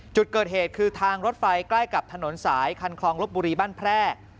จุดเกิดเหตุคือทางรถไฟใกล้กับถนนสายคันคลองลบบุรีบ้านแพร่